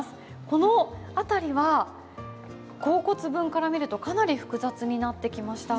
この辺りは甲骨文から見るとかなり複雑になってきました。